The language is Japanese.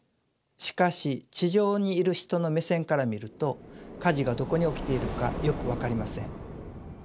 しかし地上にいる人の目線から見ると火事がどこに起きているかよく分かりません。